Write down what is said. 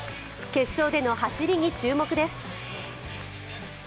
決勝での走りに注目です。